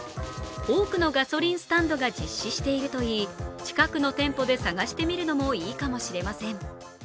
多くのガソリンスタンドが実施しているといい近くの店舗で探してみるのもいいかもしれません。